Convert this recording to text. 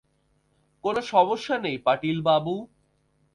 কোনো সমস্যা নেই, পাটিল বাবু।